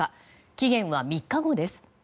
期限は３日後です。